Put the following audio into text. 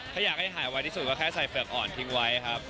ถ้าอยากให้หายไวที่สุดก็แค่ใส่เปลือกอ่อนทิ้งไว้ครับ